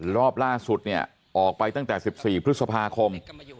รอบล่าสุดเนี่ยออกไปตั้งแต่๑๔พฤษภาคม